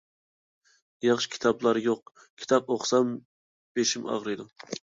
ياخشى كىتابلار يوق، كىتاب ئوقۇسام بېشىم ئاغرىيدۇ.